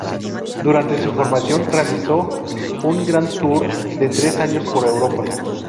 Durante su formación realizó un "grand tour" de tres años por Europa.